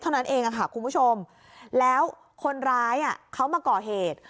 เท่านั้นเองค่ะคุณผู้ชมแล้วคนร้ายเขามาก่อเหตุ